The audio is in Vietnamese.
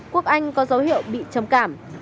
quốc anh có dấu hiệu bị trầm cảm